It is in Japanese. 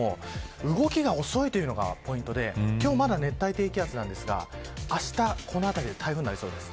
動きが遅いというのがポイントで今日は、まだ熱帯低気圧ですがあした、この辺りで台風になりそうです。